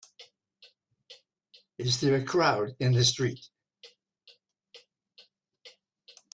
Is there a crowd in the street?